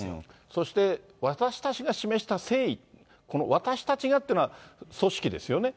そして、私たちが示した誠意、この私たちがっていうのは、組織ですよね。